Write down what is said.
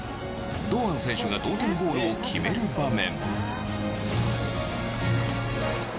堂安選手が同点ゴールを決める場面。